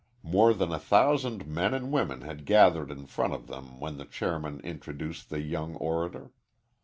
More than a thousand men and women had gathered in front of them when the chairman introduced the young orator.